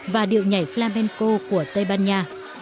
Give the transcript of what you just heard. và điệu nhảy flamenco của tây ban nha